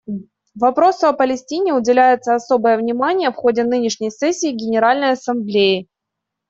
Вопросу о Палестине уделяется особое внимание в ходе нынешней сессии Генеральной Ассамблеи.